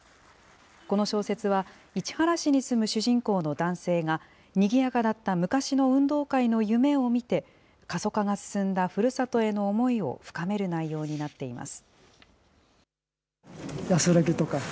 この小説は、市原市に住む主人公の男性が、にぎやかだった昔の運動会の夢を見て、過疎化が進んだふるさとへの思いを深める内容になっています。